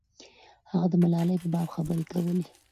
هغه د ملالۍ په باب خبرې کولې.